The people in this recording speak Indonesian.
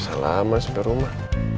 bisa lama sudah rumah